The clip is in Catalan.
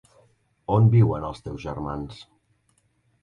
On viuen els teus germans?